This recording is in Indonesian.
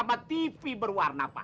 sama tv berwarna pak